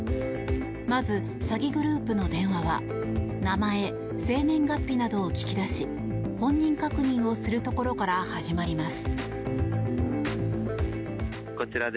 まず詐欺グループの電話は名前、生年月日などを聞き出し本人確認をするところから始まります。